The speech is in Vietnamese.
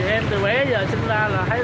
em từ bé giờ sinh ra là thấy